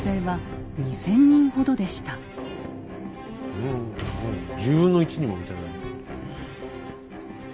ふん１０分の１にも満たない。